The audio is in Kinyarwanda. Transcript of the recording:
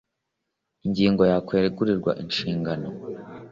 Ingingo ya kwegurirwa inshingano